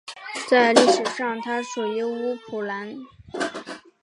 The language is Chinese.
在历史上它属于乌普兰。